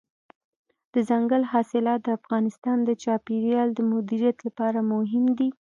دځنګل حاصلات د افغانستان د چاپیریال د مدیریت لپاره مهم دي.